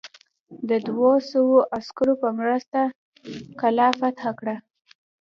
د دوه سوه عسکرو په مرسته قلا فتح کړه.